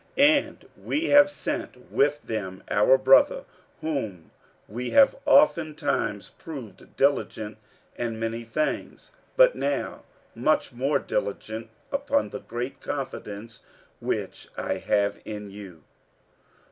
47:008:022 And we have sent with them our brother, whom we have oftentimes proved diligent in many things, but now much more diligent, upon the great confidence which I have in you.